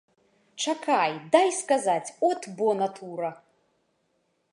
Чакай, дай сказаць, от бо натура!